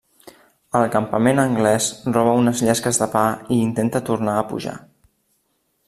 Al campament anglès roba unes llesques de pa i intenta tornar a pujar.